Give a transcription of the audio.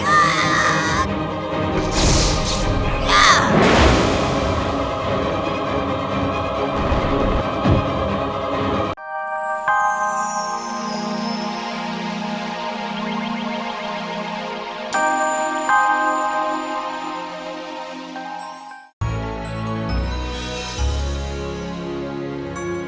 jangan keras kepala kita kelihatan sedang